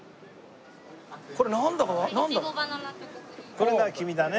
これが君だね。